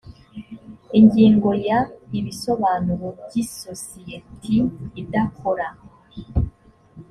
ingingo ya ibisobanuro by isosiyete idakora